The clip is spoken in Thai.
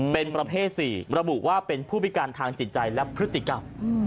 เป็นประเภท๔ระบุว่าเป็นผู้พิการทางจิตใจและพฤติกรรม